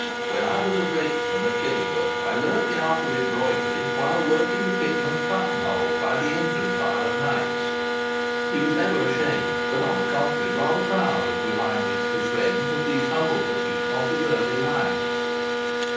When I was a brakesman at Killingworth, I learnt the art of embroidery while working the pitmen's buttonholes by the engine fire at nights." He was never ashamed, but on the contrary rather proud, of reminding his friends of these humble pursuits of his early life.